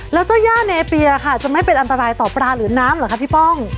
แล้วเจ้าย่าเนเปียค่ะจะไม่เป็นอันตรายต่อปลาหรือน้ำเหรอคะพี่ป้อง